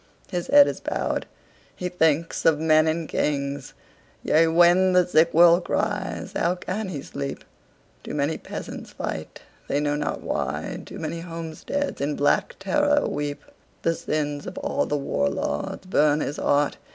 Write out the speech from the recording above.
His head is bowed. He thinks of men and kings. Yea, when the sick world cries, how can he sleep? Too many peasants fight, they know not why; Too many homesteads in black terror weep. The sins of all the war lords burn his heart.